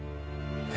え？